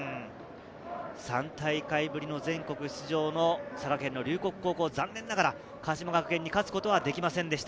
３大会ぶりの全国出場の佐賀県龍谷高校、残念ながら鹿島学園には勝つことはできませんでした。